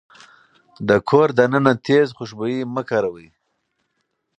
د کور دننه تيز خوشبويي مه کاروئ.